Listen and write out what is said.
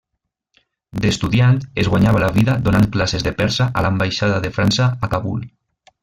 D'estudiant es guanyava la vida donant classes de persa a l'ambaixada de França a Kabul.